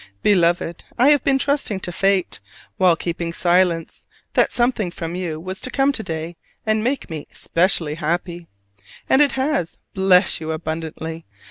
Beloved: I have been trusting to fate, while keeping silence, that something from you was to come to day and make me specially happy. And it has: bless you abundantly!